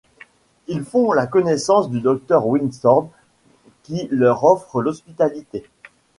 Ils font la connaissance du docteur Windsor qui leur offre l'hospitalité.